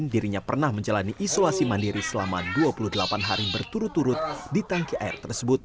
dirinya pernah menjalani isolasi mandiri selama dua puluh delapan hari berturut turut di tangki air tersebut